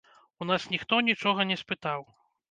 У нас ніхто нічога не спытаў.